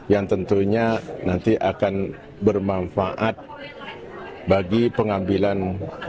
yang tentunya nanti akan bermanfaat bagi pengambilan